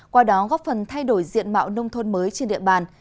qua đó góp phần thay đổi diện mạo nông thôn mới trên địa bàn